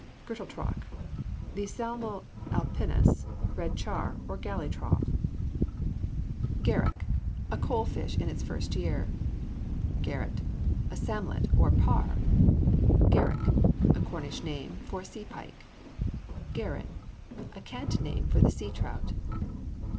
GERLETROCH. The Salmo alpinus, red char, or galley trough. GERRACK. A coal fish in its first year. GERRET. A samlet or parr. GERRICK. A Cornish name for a sea pike. GERRON. A cant name for the sea trout.